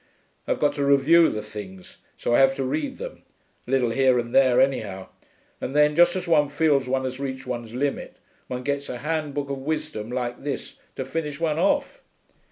I've got to review the things, so I have to read them a little here and there, anyhow. And then, just as one feels one has reached one's limit, one gets a handbook of wisdom like this, to finish one off.'